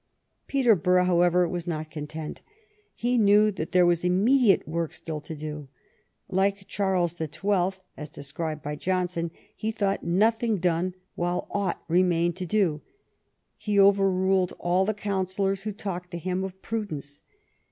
Peterborough, however, was not content. He knew that there was immediate work still to do. Like Charles the Twelfth, as described by Johnson, he thought nothing done while aught remained to do. Ho overruled all the counsellors who talked to him of prudence.